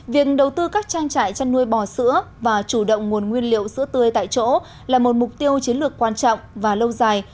việc đầu tư các trang trại chăn nuôi bò sữa và chủ động nguồn nguyên liệu sữa tươi tại chỗ là một mục tiêu chiến lược quan trọng và lâu dài